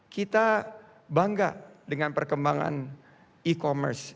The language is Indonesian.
kita bangga dengan perkembangan e commerce